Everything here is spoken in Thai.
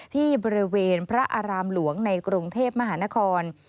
ที่บริเวณพระอารามหลวงในกรุงเทพมหานคร